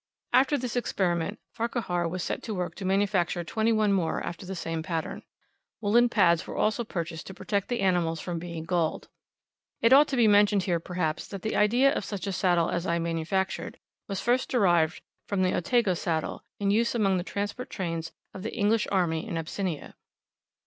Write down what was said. After this experiment, Farquhar was set to work to manufacture twenty one more after the same pattern. Woollen pads were also purchased to protect the animals from being galled. It ought to be mentioned here, perhaps, that the idea of such a saddle as I manufactured, was first derived from the Otago saddle, in use among the transport trains of the English army in Abyssinia.